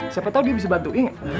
siapa tau dia bisa bantuin